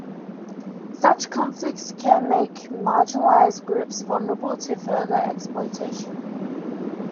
Such conflicts can make marginalized groups vulnerable to further exploitation.